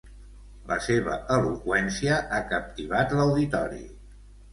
La seva eloqüència ha captivat l'auditori.